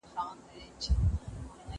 د همدې څو تارونو رنګ ټول دیګ نیسي.